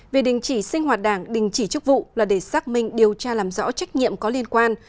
về đình chỉ sinh hoạt đảng đình chỉ chức vụ là để xác minh điều tra làm rõ trách nhiệm có liên quan